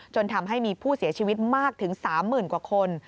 จนทำให้มีผู้เสียชีวิตมากถึง๓๐๐๐กว่าคน